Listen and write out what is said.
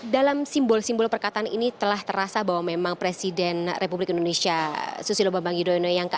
dalam simbol simbol perkataan ini telah terasa bahwa memang presiden republik indonesia susilo bambang yudhoyono yang